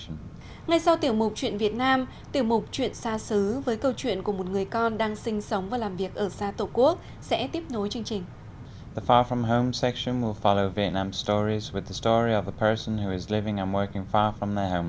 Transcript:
ngay sau tiểu mục chuyện việt nam tiểu mục chuyện xa xứ với câu chuyện của một người con đang sinh sống và làm việc ở xa tổ quốc sẽ tiếp nối chương trình